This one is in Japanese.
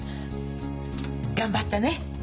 頑張ってね。